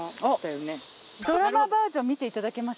ドラマバージョン見ていただけました？